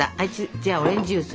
じゃあオレンジジュース。